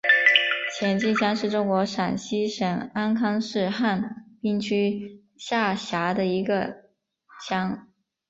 前进乡是中国陕西省安康市汉滨区下辖的一个乡。